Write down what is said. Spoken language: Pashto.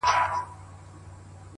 • دي خو پر هغوی باندي ,